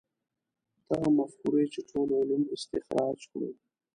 دغې مفکورې چې ټول علوم استخراج کړو.